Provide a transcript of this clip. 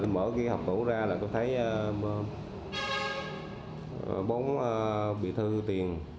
mở cái hộp tủ ra là tôi thấy bốn bị thu tiền